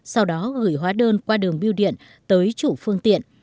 sau đó gửi hóa đơn qua đường biêu điện tới chủ phương tiện